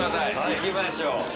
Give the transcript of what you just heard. いきましょう。